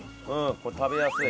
これ食べやすい。